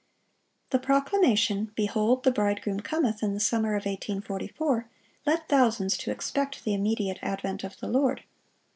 The proclamation, "Behold, the Bridegroom cometh," in the summer of 1844, led thousands to expect the immediate advent of the Lord.